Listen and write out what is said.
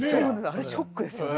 あれショックですよね。